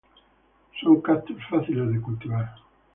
Son cactus fáciles de cultivar.